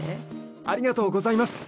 ありがとうございます。